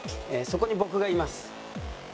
そこに僕がいます。